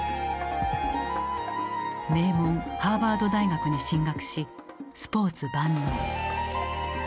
名門ハーバード大学に進学しスポーツ万能。